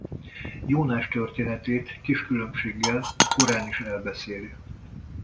Jónás történetét kis különbséggel a Korán is elbeszéli.